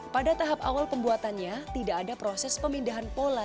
pada tahap awal pembuatannya tidak ada proses pemindahan pola